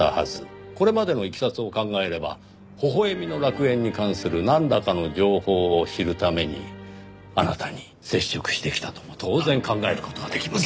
これまでのいきさつを考えれば微笑みの楽園に関するなんらかの情報を知るためにあなたに接触してきたとも当然考える事ができます。